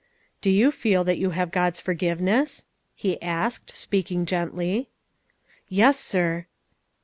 "Do you feel that you have God's forgiveness?" he asked, speaking gently. "Yes, sir."